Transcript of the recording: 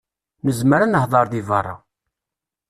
Nezmer ad nehder deg berra.